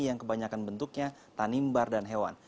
yang kebanyakan bentuknya tanimbar dan hewan